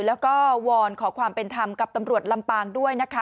แล้วก็วอนขอความเป็นธรรมกับตำรวจลำปางด้วยนะคะ